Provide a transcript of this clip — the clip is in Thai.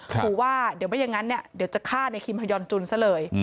ขู่ว่าเดี๋ยวไม่อย่างงั้นเนี่ยเดี๋ยวจะฆ่าในครีมฮยรจุลซะเลย